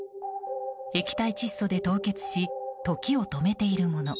液体窒素で凍結し時を止めているもの